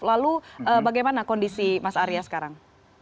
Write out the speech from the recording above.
lalu bagaimana kondisi mas arya sekarang